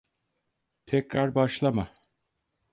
Tekrar başlama.